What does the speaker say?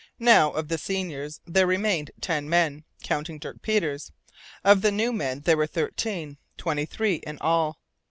Now, of the seniors, there remained ten men, counting Dirk Peters; of the new men there were thirteen; twenty three in all.